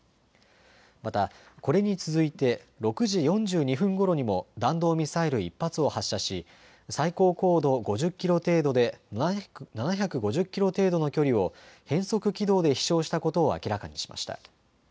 また、これに続いて６時４２分ごろにも弾道ミサイル１発を発射し最高高度５０キロ程度で７５０キロ程度の距離を変則軌道で飛しょうしたことを明らかにしました。